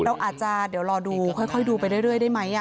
เราอาจจะเดี๋ยวรอดูค่อยดูไปเรื่อยได้ไหม